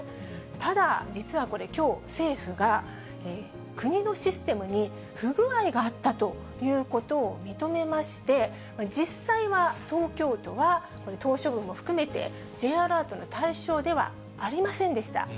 ただ、実はこれ、きょう、政府が国のシステムに不具合があったということを認めまして、実際は東京都は島しょ部も含めて、Ｊアラートの対象ではありませんでした。